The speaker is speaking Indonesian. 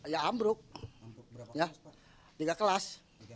ya ambruk tiga kelas